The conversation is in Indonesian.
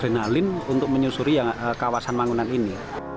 adrenalin untuk menyusuri kawasan manggunan ini